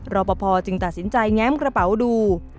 รอปภจึงตัดสินใจแง้มกระเป๋าดู